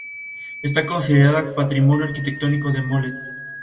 Está considerada patrimonio arquitectónico de Mollet.